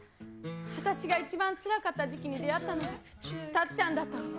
私が一番つらかった時期に出会ったのがたっちゃんだったの。